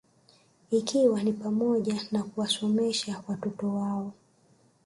Ikiwa ni pamoja na kuwasomesha watoto wao